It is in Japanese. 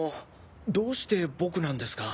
どうして僕なんですか？